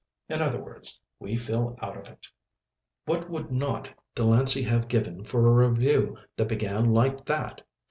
In other words, we feel out of it." What would not Delancey have given for a review that began like that!